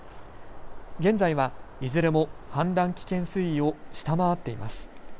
現在はいずれも氾濫危険水位を下回っています。